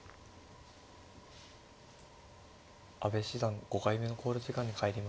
阿部七段５回目の考慮時間に入りました。